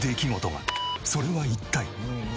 それは一体？